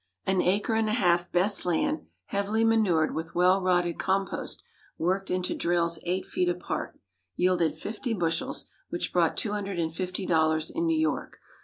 _ An acre and a half best land, heavily manured with well rotted compost worked into drills eight feet apart: yielded fifty bushels, which brought two hundred and fifty dollars in New York.